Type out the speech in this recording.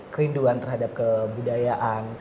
kerinduan terhadap kebudayaan